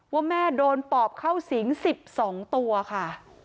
ว่าแม่โดนปอบเข้าสิง๑๒ตัวค่ะ